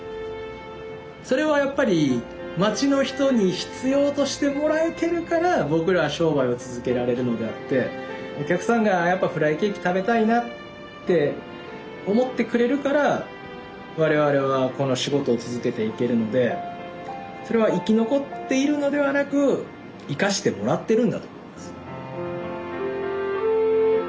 それはやっぱり街の人に必要としてもらえてるから僕らは商売を続けられるのであってお客さんがやっぱフライケーキ食べたいなって思ってくれるから我々はこの仕事を続けていけるのでそれは生き残っているのではなく生かしてもらってるんだと思います。